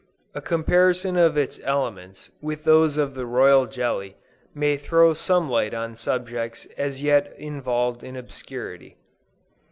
A comparison of its elements with those of the royal jelly, may throw some light on subjects as yet involved in obscurity.